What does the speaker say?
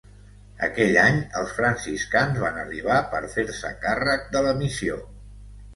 Aquell any, els franciscans van arribar per fer-se càrrec de la missió.